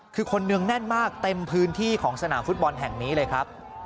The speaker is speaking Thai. คือคนเนืองแน่นมากเต็มพื้นที่ของสนามฟุตบอลแห่งนี้เลยครับ